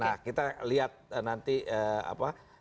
nah kita lihat nanti apa